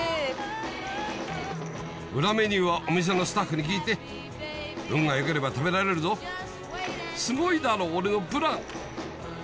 裏メニューはお店のスタッフに聞いて運が良ければ食べられるぞすごいだろ俺のプラン！